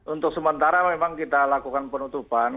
untuk sementara memang kita lakukan penutupan